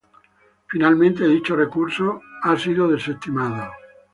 Finalmente, dicho recurso ha sido desestimado.